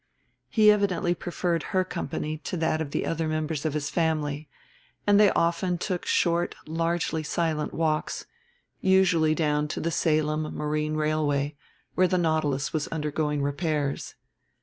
He evidently preferred her company to that of the other members of his family, and they often took short largely silent walks, usually down to the Salem Marine Railway where the Nautilus was undergoing repairs.